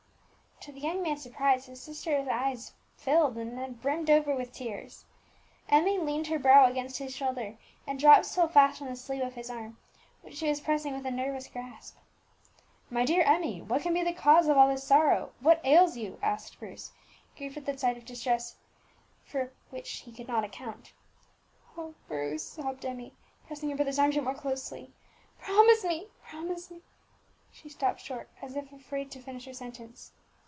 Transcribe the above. To the young man's surprise, his sister's eyes filled and then brimmed over with tears. Emmie leaned her brow against his shoulder, and drops fell fast on the sleeve of his arm, which she was pressing with a nervous grasp. "My dear Emmie, what can be the cause of all this sorrow? What ails you?" asked Bruce, grieved at the sight of distress for which he could not account. "Oh, Bruce!" sobbed Emmie, pressing her brother's arm yet more closely, "promise me promise me " She stopped short, as if afraid to finish her sentence.